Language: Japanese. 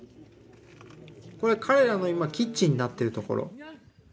これ彼らの今キッチンになっているところ。